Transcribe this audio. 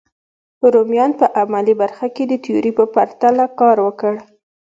رومیانو په عملي برخه کې د تیوري په پرتله کار وکړ.